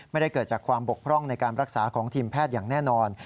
ไม่ได้เกิดจากความบกพร่องในการรักษาของทีมแพทย์อย่างแน่นอน